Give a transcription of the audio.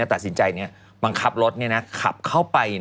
ตัดสินใจบังคับรถขับเข้าไป